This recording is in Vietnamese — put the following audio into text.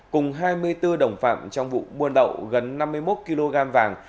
cùng hai mươi bốn đồng phạm trong vụ buôn lậu gần năm mươi một kg vàng